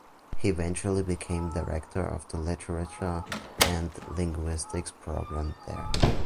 He eventually became Director of the Literature and Linguistics programs there.